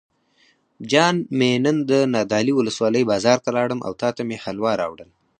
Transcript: جان مې نن نادعلي ولسوالۍ بازار ته لاړم او تاته مې حلوا راوړل.